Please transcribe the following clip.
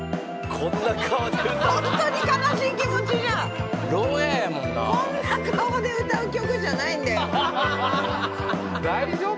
こんな顔で歌う曲じゃないんだよ大丈夫？